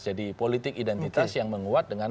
jadi politik identitas yang menguat dengan